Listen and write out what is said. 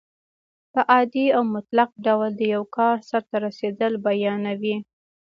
په عادي او مطلق ډول د یو کار سرته رسېدل بیانیوي.